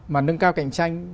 mà nâng cao cạnh tranh